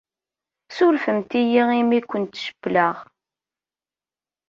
Ssurfemt-iyi imi ay kent-cewwleɣ.